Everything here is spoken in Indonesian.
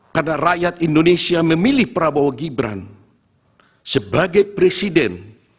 karena rakyat indonesia memilih prabowo gibran sebagai presiden